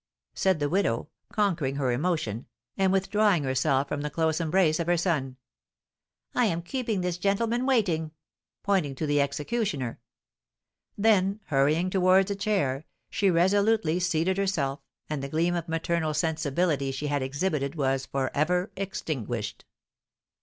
said the widow, conquering her emotion, and withdrawing herself from the close embrace of her son; "I am keeping this gentleman waiting," pointing to the executioner; then, hurrying towards a chair, she resolutely seated herself, and the gleam of maternal sensibility she had exhibited was for ever extinguished.